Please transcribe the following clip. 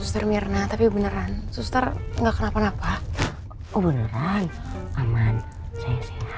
terima kasih pak yongki dan pak riza